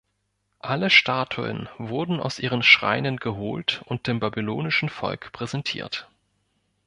Alle Statuen wurden aus ihren Schreinen geholt und dem babylonischen Volk präsentiert.